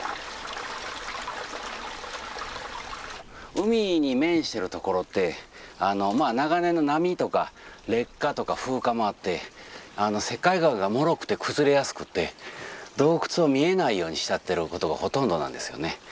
海に面してる所って長年の波とか劣化とか風化もあって石灰岩がもろくて崩れやすくて洞窟を見えないようにしちゃってることがほとんどなんですよね。